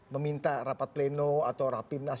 meminta rapat pleno atau rapimnas